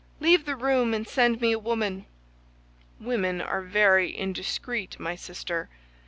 Leave the room, and send me a woman." "Women are very indiscreet, my sister.